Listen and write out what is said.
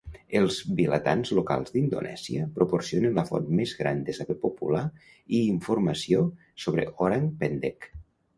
Els vilatans locals d'Indonèsia proporcionen la font més gran de saber popular i informació sobre Orang Pendek.